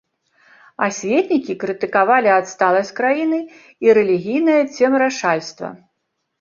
Асветнікі крытыкавалі адсталасць краіны і рэлігійнае цемрашальства.